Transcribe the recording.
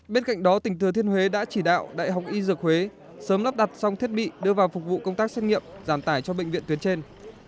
bên cạnh đó tỉnh thừa thiên huế đã chỉ đạo đại học y dược huế sớm lắp đặt xong thiết bị đưa vào phục vụ công tác xét nghiệm giảm tải cho bệnh viện tuyến trên